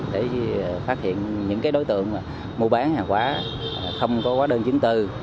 để phát hiện những đối tượng mua bán hàng quá không có quá đơn chính tư